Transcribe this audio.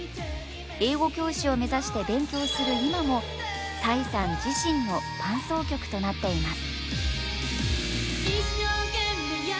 英語教師を目指して勉強する今も齋さん自身の伴走曲となっています